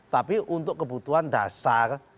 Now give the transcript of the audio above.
tapi untuk kebutuhan dasar